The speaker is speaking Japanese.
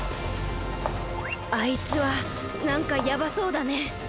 あいつはなんかやばそうだね。